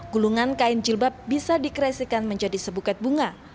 gulungan kain jilbab bisa dikresikan menjadi sebuket bunga